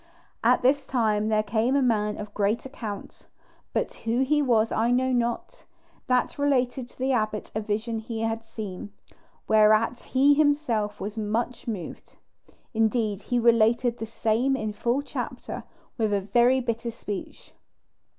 At this time there came a man of great account, but who he was I know not, that related to the abbot a vision he had seen, whereat he himself was much moved. Indeed, he related the same in full chapter, with a very bitter speech.